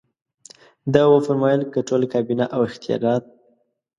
ده وفرمایل که ټوله کابینه او اختیارات.